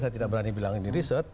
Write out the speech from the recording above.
saya tidak berani bilang ini riset